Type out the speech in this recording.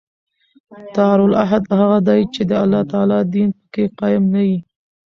دارالعهد هغه دئ، چي د الله تعالی دین په کښي قایم نه يي.